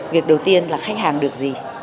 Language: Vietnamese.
việc đầu tiên là khách hàng được gì